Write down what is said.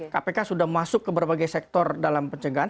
kpk sudah masuk ke berbagai sektor dalam pencegahan